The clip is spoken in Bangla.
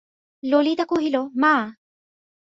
ললিতা কহিল, মা!